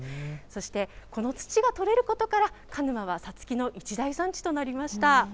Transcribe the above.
そして、この土が取れることから、鹿沼はさつきの一大産地となりました。